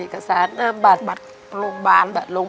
เอกสารบัตรโรงพยาบาล